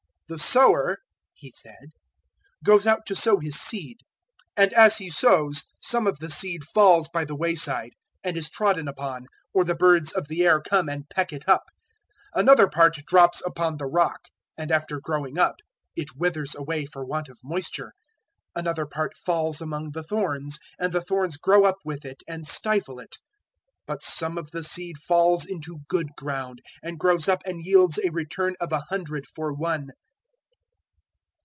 008:005 "The sower," He said, "goes out to sow his seed; and as he sows, some of the seed falls by the way side, and is trodden upon, or the birds of the air come and peck it up. 008:006 Another part drops upon the rock, and after growing up it withers away for want of moisture. 008:007 Another part falls among the thorns, and the thorns grow up with it and stifle it. 008:008 But some of the seed falls into good ground, and grows up and yields a return of a hundred for one."